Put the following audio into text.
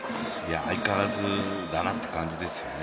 相変わらずだなという感じですよね。